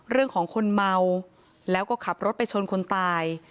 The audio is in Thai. เรื่องของคนเมาแล้วก็ขับรถไปชนคนตาย